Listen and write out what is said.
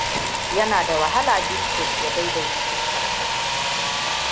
Yana da wahala Bitrusa ya daidaita fuskarsa.